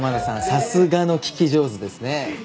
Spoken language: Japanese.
さすがの聞き上手ですね。